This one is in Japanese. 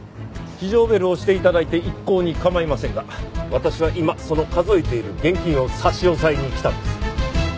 非常ベルを押して頂いて一向に構いませんが私は今その数えている現金を差し押さえに来たんです。